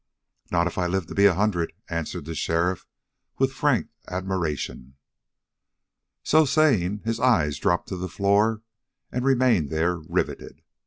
"Not if I live to be a hundred," answered the sheriff with frank admiration. So saying, his eye dropped to the floor and remained there, riveted.